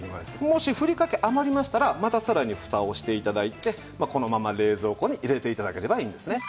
もしふりかけ余りましたらまたさらにフタをして頂いてこのまま冷蔵庫に入れて頂ければいいんですね。